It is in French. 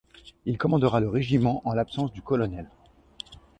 Il commandera le régiment en l'absence du colonel.